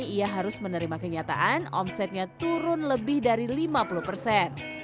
ia harus menerima kenyataan omsetnya turun lebih dari lima puluh persen